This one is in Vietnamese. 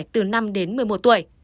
từ năm đến một mươi một tuổi